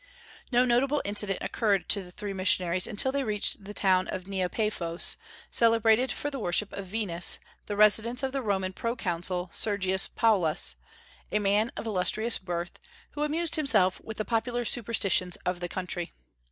No notable incident occurred to the three missionaries until they reached the town of Nea Paphos, celebrated for the worship of Venus, the residence of the Roman proconsul, Sergius Paulus, a man of illustrious birth, who amused himself with the popular superstitions of the country.